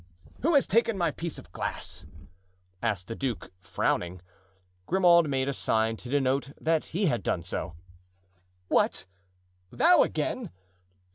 "Who has taken my piece of glass?" asked the duke, frowning. Grimaud made a sign to denote that he had done so. "What! thou again!